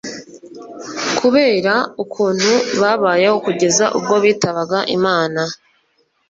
Kubera ukuntu babayeho kugeza ubwo bitabaga Imana